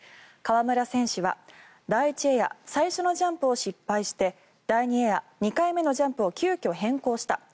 川村選手は第１エア最初のジャンプを失敗して第２エア、２回目のジャンプを急きょ変更した。